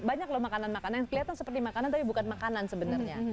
banyak loh makanan makanan yang kelihatan seperti makanan tapi bukan makanan sebenarnya